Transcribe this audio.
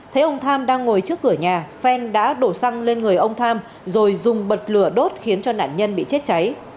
thấy ông tham đang ngồi trước cửa nhà phen đã đổ xăng lên người ông tham rồi dùng bật lửa đốt khiến cho nạn nhân bị chết cháy